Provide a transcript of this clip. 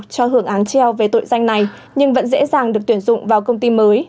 cho hưởng án treo về tội danh này nhưng vẫn dễ dàng được tuyển dụng vào công ty mới